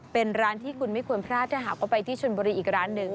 เป็นร้านที่คุณไม่ควรพลาดถ้าหากว่าไปที่ชนบุรีอีกร้านหนึ่ง